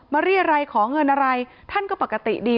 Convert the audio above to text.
เรียรัยขอเงินอะไรท่านก็ปกติดี